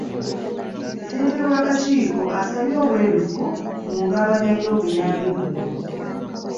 Ssentebe w'akakiiko asabye obwerufu mu ngabanya y'obuyambi buno.